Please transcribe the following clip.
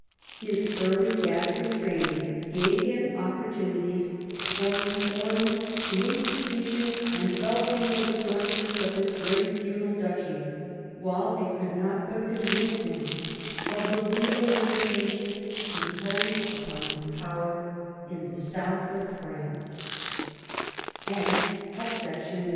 His early Gascon training gave him opportuni ties for reforming the institutions and developing the resources of his great feudal duchy, while it could not but convince him of the real limitations imposed upon his power in the south of